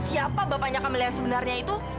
siapa bapaknya kamila yang sebenarnya itu